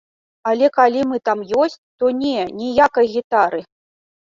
А калі мы там ёсць, то не, ніякай гітары!